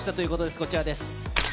こちらです。